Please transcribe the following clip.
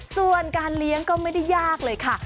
ส่วนการเลี้ยงก็ไม่ได้ยากเลยค่ะ